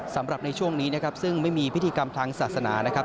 สำหรับในช่วงนี้นะครับซึ่งไม่มีพิธีกรรมทางศาสนานะครับ